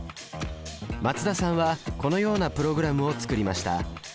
松田さんはこのようなプログラムを作りました。